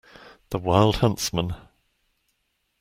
The wild huntsman.